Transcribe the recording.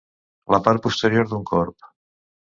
La part posterior d'un corb.